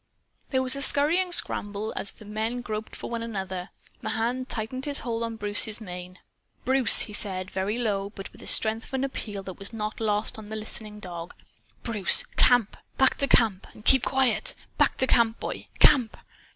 There was a scurrying scramble as the men groped for one another. Mahan tightened his hold on Bruce's mane. "Bruce!" he said, very low, but with a strength of appeal that was not lost on the listening dog. "Bruce! Camp! Back to CAMP! And keep QUIET! Back to camp, boy! CAMP!"